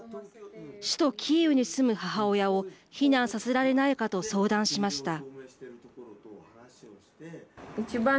首都キーウに住む母親を避難させられないかと相談しました。